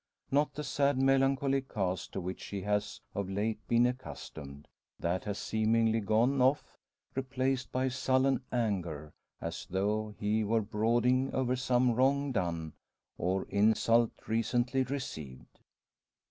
Not the sad melancholy cast to which she has of late been accustomed. That has seemingly gone off, replaced by sullen anger, as though he were brooding over some wrong done, or insult recently received!